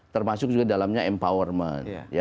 termasuk juga dalamnya empowerment